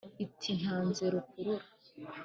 iti: ntanze rukurura.